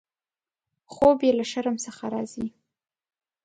خوب یې له شرم څخه راځي.